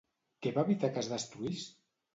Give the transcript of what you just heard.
Què va evitar que es destruís?